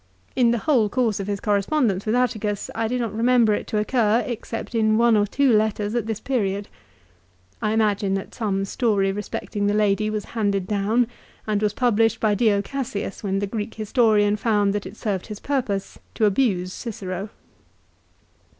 In the whole course of his correspondence with Atticus I do not remember it to occur, except in one or two letters at this period. I imagine that some story respecting the lady was handed down, and was published by Dio Cassius when the Greek historian found that it served his purpose to abuse Cicero.